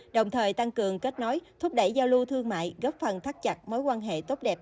đồng thời tăng cường kết nối thúc đẩy giao lưu thương mại góp phần thắt chặt mối quan hệ tốt đẹp